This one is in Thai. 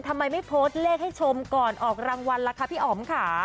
ทำไมไม่โพสต์เลขให้ชมก่อนออกรางวัลล่ะคะพี่อ๋อมค่ะ